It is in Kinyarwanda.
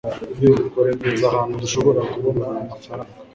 Nzi ahantu dushobora kubona amafaranga.